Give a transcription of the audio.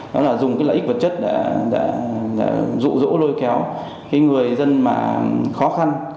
đó là dùng cái lợi ích vật chất để rụ rỗ lôi kéo người dân khó khăn